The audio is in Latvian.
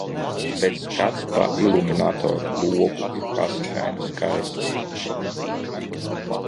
Bet skats pa iluminatora logu ir paskani skaists.